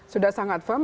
sudah sangat firm